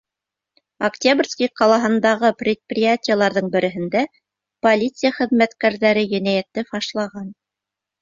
Октябрьский ҡалаһындағы предприятиеларҙың береһендә полиция хеҙмәткәрҙәре енәйәтте фашлаған.